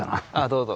どうぞ。